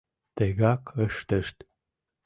Тыгак ыштышт.